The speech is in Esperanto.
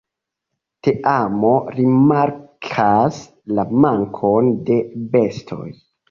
Teamo rimarkas la mankon de bestoj.